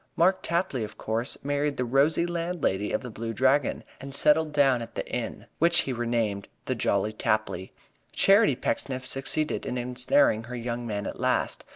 Mark Tapley, of course, married the rosy landlady of The Blue Dragon, and settled down at the inn, which he renamed The Jolly Tapley. Charity Pecksniff succeeded in ensnaring her young man at last.